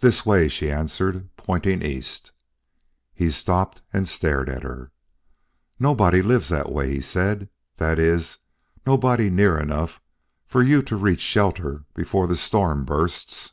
"This way," she answered, pointing east. He stopped and stared at her. "Nobody lives that way," he said, " that is, nobody near enough for you to reach shelter before the storm bursts."